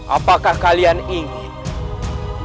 apakah kalian ingin